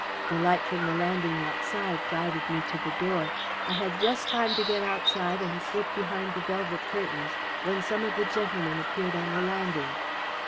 The light from the landing outside guided me to the door. I had just time to get outside and slip behind the velvet curtains when some of the gentlemen appeared on the landing.